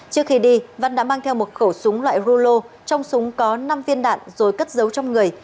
trước khi đi văn đã mang theo một khẩu súng loại rulo trong súng có năm viên đạn rồi cất giấu trong người